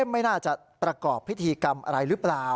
ไม่น่าจะประกอบพิธีกรรมอะไรหรือเปล่า